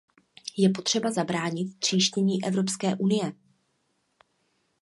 Je potřeba zabránit tříštění Evropské unie.